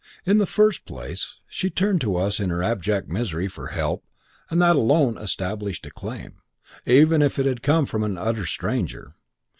In the first place, she'd turned to us in her abject misery for help and that alone established a claim, even if it had come from an utter stranger.